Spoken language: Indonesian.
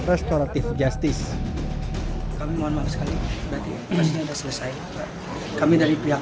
restoratif justice kami mohon maaf sekali berarti masih ada selesai kami dari pihak